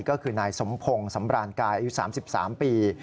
ก็คือนายสมพงศ์สำรานกายอายุ๓๓ปี